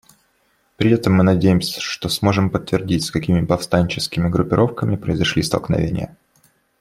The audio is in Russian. При этом мы надеемся, что сможем подтвердить, с какими повстанческими группировками произошли столкновения.